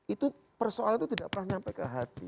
itu persoalannya tidak pernah sampai ke hati